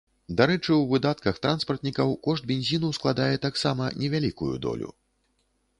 Дарэчы, у выдатках транспартнікаў кошт бензіну складае таксама невялікую долю.